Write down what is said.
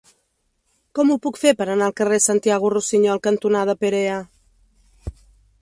Com ho puc fer per anar al carrer Santiago Rusiñol cantonada Perea?